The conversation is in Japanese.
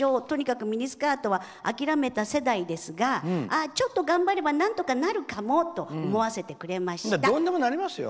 とにかくミニスカートは諦めた世代ですがちょっと頑張ればなんとかなるかもと思わせてくれました。